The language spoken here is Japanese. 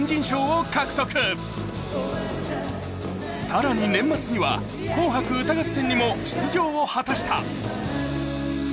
更に年末には「紅白歌合戦」にも出場を果たした。